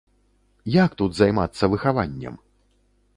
Як тут займацца выхаваннем?